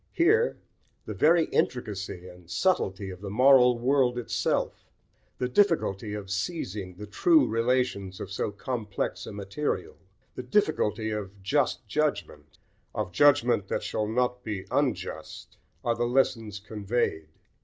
Here the very intricacy and subtlety of the moral world itself, the difficulty of seizing the true relations of so complex a material, the difficulty of just judgment, of judgment that shall not be unjust, are the lessons conveyed.